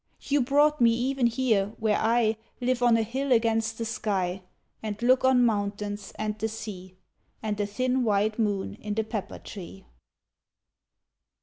You brought me even here, where I Live on a hill against the sky And look on mountains and the sea And a thin white moon in the pepper tree.